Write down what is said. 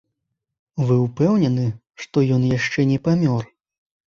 Вы ўпэўнены, што ён яшчэ не памёр?